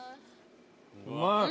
・うまい！